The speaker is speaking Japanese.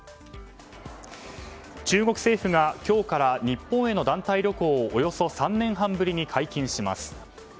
中国政府が今日から日本への団体旅行をおよそ３年半ぶりに解禁します。